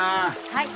はい。